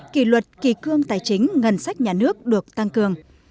kỳ luật kỳ cương tài chính ngân sách nhà nước được tăng cường